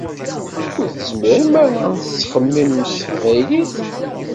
Ur tezmirem ara ad tettxemmimem s teqbaylit?